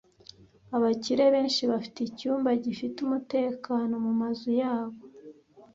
Abakire benshi bafite icyumba gifite umutekano mumazu yabo.